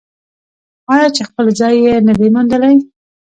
آیا چې خپل ځای یې نه دی موندلی؟